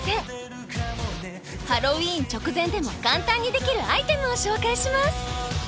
ハロウィーン直前でも簡単にできるアイテムを紹介します！